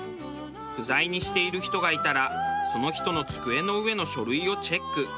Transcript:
不在にしている人がいたらその人の机の上の書類をチェック。